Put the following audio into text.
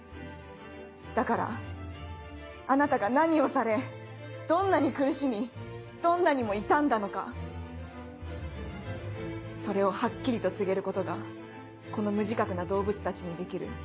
だからあなたが何をされどんなに苦しみどんなにも痛んだのかそれをハッキリと告げることがこの無自覚な動物たちにできる